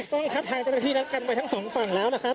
ก็จะถึงประตูหรือว่าตอนนี้เจ้าหน้าที่กันไว้ทั้งสองฝั่งแล้วใช่มั้ยครับ